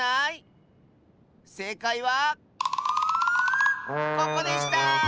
せいかいはここでした！